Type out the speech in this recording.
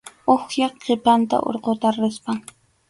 Uwihap qhipanta urquta rispam.